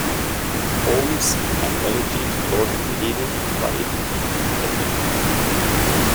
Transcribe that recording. Poems and elegy to Lord Rhirid Flaidd of Penllyn.